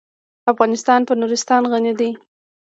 افغانستان په نورستان غني دی.